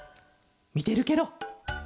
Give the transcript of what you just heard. みてるケロ。